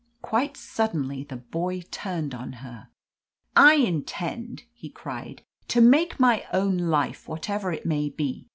Quite suddenly the boy turned on her. "I intend," he cried, "to make my own life whatever it may be.